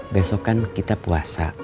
besok kan kita puasa